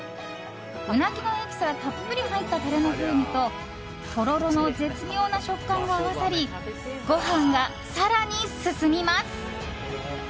ウナギのエキスがたっぷり入ったタレの風味ととろろの絶妙な食感が合わさりご飯が更に進みます。